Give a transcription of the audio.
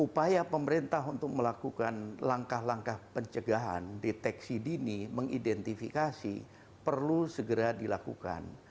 upaya pemerintah untuk melakukan langkah langkah pencegahan deteksi dini mengidentifikasi perlu segera dilakukan